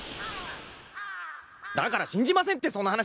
だから信じませんってそんな話。